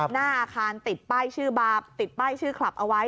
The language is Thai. หน้าอาคารติดป้ายชื่อบาร์ติดป้ายชื่อคลับเอาไว้